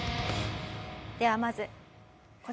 ではまずこちら。